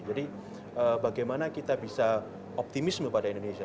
jadi bagaimana kita bisa optimisme pada indonesia